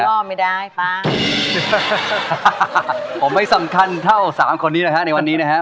ผมไม่สำคัญเท่า๓คนนี้เลยฮะในวันนี้นะฮะ